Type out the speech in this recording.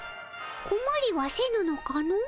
こまりはせぬのかの？